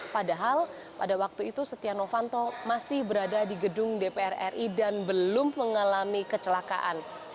padahal pada waktu itu setia novanto masih berada di gedung dpr ri dan belum mengalami kecelakaan